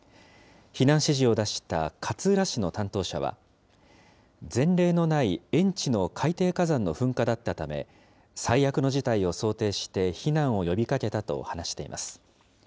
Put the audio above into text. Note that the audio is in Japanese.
避難指示を出した勝浦市の担当者は、前例のない遠地の海底火山の噴火だったため、最悪の事態を想定して避難を呼びかけたと話しています。